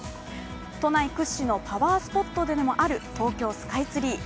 都内屈指のパワースポットでもある東京スカイツリー。